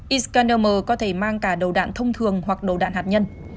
iskander m có thể mang cả đầu đạn thông thường hoặc đầu đạn hạt nhân